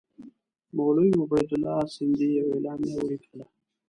مولوي عبیدالله سندي یوه اعلامیه ولیکله.